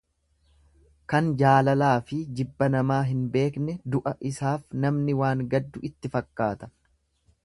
Kan jaalalaafi jibba namaa hin beekne du'a isaaf namni waan gaddu itti fakkaata.